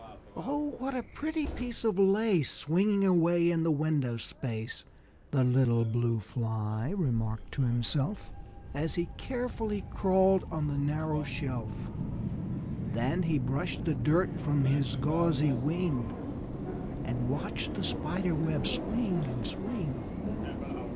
"Oh, what a pretty piece of lace Swinging away in the window space!" The little Blue Fly remarked to himself, As he carefully crawled on the narrow shelf. Then he brushed the dirt from his gauzy wing And watched the spider web swing and swing.